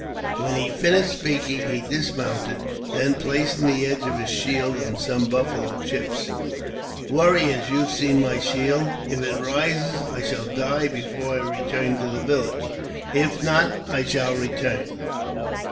When he had finished speaking, he dismounted. Then, placing the edge of his shield on some buffalo chips, he said, *^ Warriors, you see my shield. If it rises, I shall die before I return to the village; if not, I shall return."